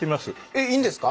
えっいいんですか？